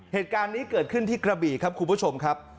เหตุการณ์นี้เกิดขึ้นที่กระบี่ครับคุณผู้ชมครับ